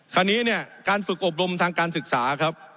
คราวนี้เนี่ยการฝึกอบรมทางการศึกษาครับ